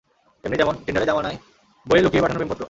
এমনি যেমন, টিন্ডারের জমানায়, বইয়ে লুকিয়ে পাঠানো প্রেমপত্র।